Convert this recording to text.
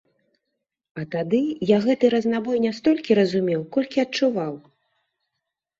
А тады я гэты разнабой не столькі разумеў, колькі адчуваў.